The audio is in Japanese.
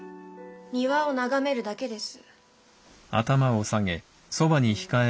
庭を眺めるだけです。